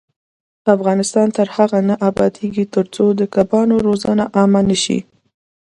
افغانستان تر هغو نه ابادیږي، ترڅو د کبانو روزنه عامه نشي.